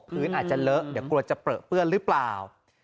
อาจจะเลอะเดี๋ยวกลัวจะเปลือเปื้อนหรือเปล่า